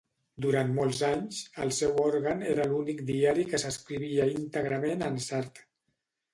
Durant molts anys, el seu òrgan era l'únic diari que s'escrivia íntegrament en sard.